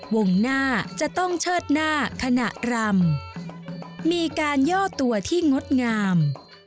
วงหน้าจะต้องเชิดหน้าขณะรำมีการย่อตัวที่งดงาม